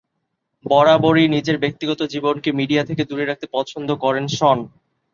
বরাবরই নিজের ব্যক্তিগত জীবনকে মিডিয়া থেকে দূরে রাখতে পছন্দ করেন সন।